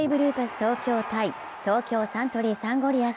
東京対東京サントリーサンゴリアス。